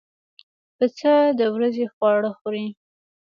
پسه د ورځې خواړه خوري.